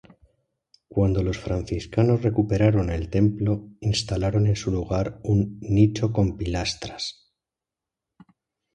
Cuando los franciscanos recuperaron el templo instalaron en su lugar un "nicho con pilastras".